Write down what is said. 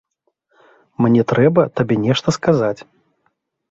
Мне трэба табе нешта сказаць.